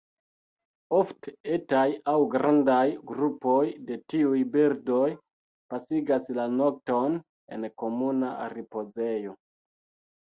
Ofte etaj aŭ grandaj grupoj de tiuj birdoj pasigas la nokton en komuna ripozejo.